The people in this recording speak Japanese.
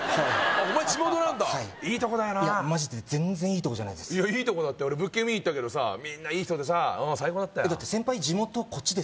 お前地元なんだはいいいとこだよなマジで全然いいとこじゃないですいやいいとこだって俺物件見にいったけどさみんないい人でさ最高だったよだって先輩地元こっちですよね？